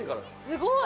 すごい。